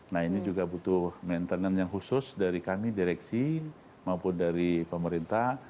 nah ini juga butuh maintenance yang khusus dari kami direksi maupun dari pemerintah